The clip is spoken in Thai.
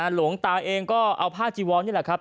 หลวงตาเองก็เอาผ้าจีวอนนี่แหละครับ